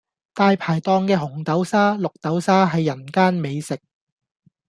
大排檔嘅紅豆沙、綠豆沙係人間美食